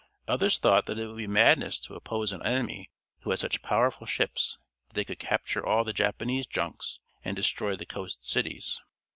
Others thought that it would be madness to oppose an enemy who had such powerful ships that they could capture all the Japanese junks, and destroy the coast cities.